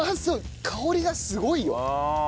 香りがすごいよ！